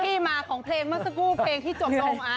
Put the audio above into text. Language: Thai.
ที่มาของเพลงเมื่อสักครู่เพลงที่จบลง